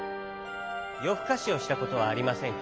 ふかしをしたことはありませんか？